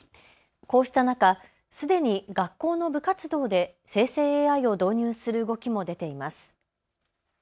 こうした中、すでに学校の部活動で生成ＡＩを導入する動きも出ています。